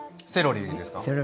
セロリですか？